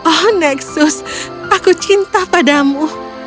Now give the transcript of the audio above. oh nexus aku cinta padamu